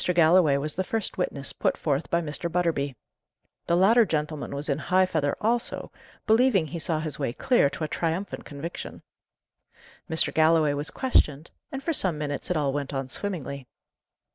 Galloway was the first witness put forth by Mr. Butterby. The latter gentleman was in high feather also, believing he saw his way clear to a triumphant conviction. Mr. Galloway was questioned; and for some minutes it all went on swimmingly.